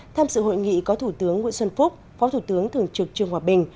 tham dự hội nghị có thủ tướng nguyễn xuân phúc phó thủ tướng thường trực trường hòa bình